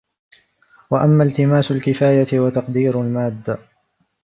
وَأَمَّا الْتِمَاسُ الْكِفَايَةِ وَتَقْدِيرُ الْمَادَّةِ